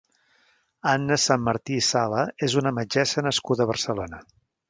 Anna Sanmartí i Sala és una metgessa nascuda a Barcelona.